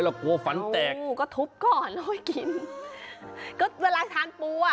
กลัวฝันแตกงูก็ทุบก่อนแล้วให้กินก็เวลาทานปูอ่ะ